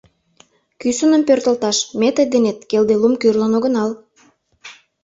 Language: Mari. Кӱсыным пӧртылташ ме тый денет келделум кӱрлын огынал.